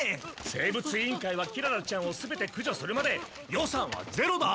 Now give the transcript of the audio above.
生物委員会はキララちゃんを全てくじょするまで予算はゼロだ！